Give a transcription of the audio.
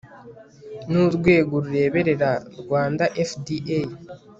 n urwego rureberera Rwanda FDA